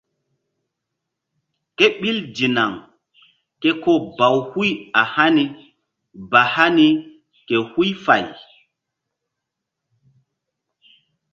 Kéɓil dinaŋ ke ko baw huy a hani ba hani ke huy fay.